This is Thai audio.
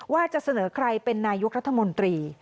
ว่าจะเสนอใครเป็นนายกรัฐมนตรี